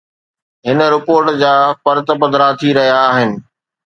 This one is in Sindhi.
هن رپورٽ جا پرت پڌرا ٿي رهيا آهن.